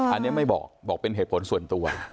อันนี้ไม่บอกบอกเป็นเหตุผลส่วนตัว